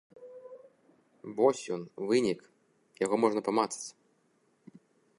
Вось ён, вынік, яго можна памацаць.